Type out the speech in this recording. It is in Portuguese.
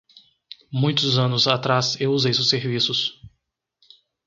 Muitos anos atrás eu usei seus serviços.